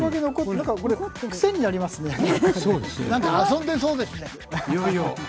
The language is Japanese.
何か遊んでそうですね。